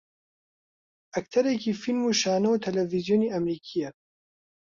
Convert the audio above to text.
ئەکتەرێکی فیلم و شانۆ و تەلەڤیزیۆنی ئەمریکییە